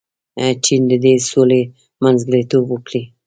چین د دې سولې منځګړیتوب وکړ.